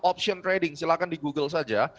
option trading silahkan di google saja